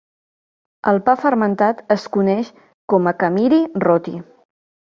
El pa fermentat es coneix com a "khamiri roti".